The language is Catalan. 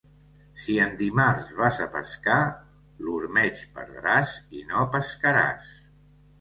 Si en dimarts vas a pescar, l'ormeig perdràs i no pescaràs.